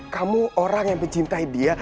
kamu orang yang mencintai dia